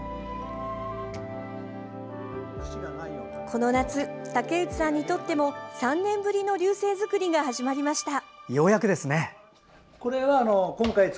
この夏竹内さんにとっても３年ぶりの龍勢作りが始まりました。